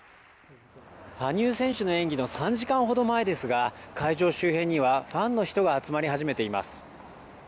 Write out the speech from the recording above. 羽生選手の演技の３時間ほど前ですが会場周辺にはファンの人が集まり始めています